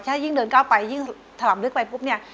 ถ้ายิ่งเดินก้าวไปยิ่งถล่ำลึกไปปุ๊บเนี่ย